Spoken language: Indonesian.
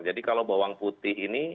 kalau bawang putih ini